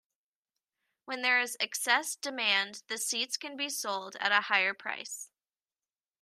When there is excess demand, the seats can be sold at a higher price.